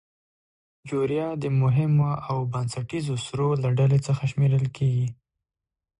یوریا د مهمو او بنسټیزو سرو له ډلې څخه شمیرل کیږي.